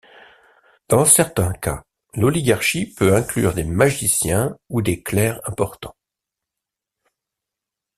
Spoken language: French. Dans certains cas, l'Oligarchie peut inclure des magiciens ou des clercs importants.